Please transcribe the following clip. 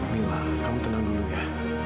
mila kamu tenang dulu ya